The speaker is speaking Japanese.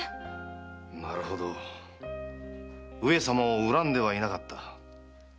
なるほど上様を恨んではいなかった。